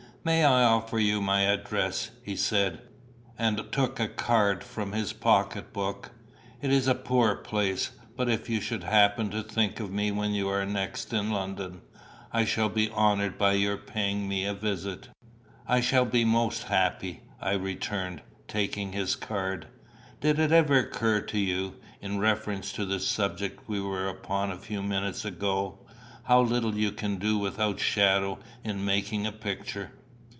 "May I offer you my address?" he said, and took a card from his pocket book. "It is a poor place, but if you should happen to think of me when you are next in London, I shall be honoured by your paying me a visit." "I shall be most happy," I returned, taking his card. "Did it ever occur to you, in reference to the subject we were upon a few minutes ago, how little you can do without shadow in making a picture?"